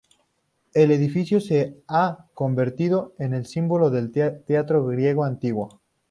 El edificio se ha convertido en el símbolo del teatro griego antiguo.